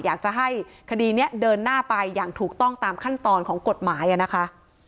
อยากจะให้คดีนี้เดินหน้าไปอย่างถูกต้องตามขั้นตอนของกฎหมายนะคะ